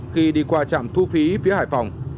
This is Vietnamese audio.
khi đi qua trạm thu phí phía hải phòng